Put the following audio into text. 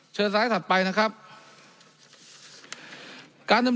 เชิญซ้ายขอผิดไปนะครับ